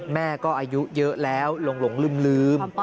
แม่ก็อายุเยอะแล้วหลงลืม